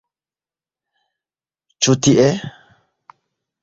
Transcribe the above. Ĉu tie?